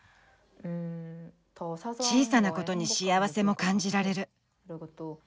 小さなことに幸せも感じられる。